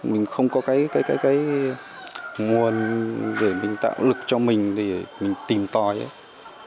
mình không có cái cái cái cái nguồn để mình tạo lực cho mình để mình tìm tòi để tạo dựng những cái cơ sở như bây giờ để mình làm